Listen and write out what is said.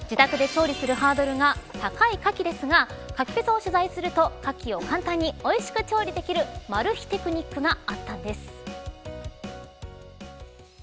自宅で調理するハードルが高いかきですが牡蠣フェスを取材するとかきを簡単においしく調理できるマル秘テクがあったんです。